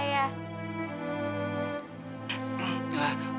setelahsorry menanyikan ke wine